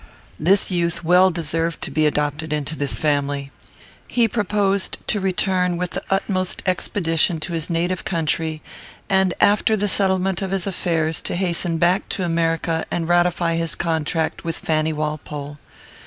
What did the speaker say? This youth well deserved to be adopted into this family. He proposed to return with the utmost expedition to his native country, and, after the settlement of his affairs, to hasten back to America and ratify his contract with Fanny Walpole.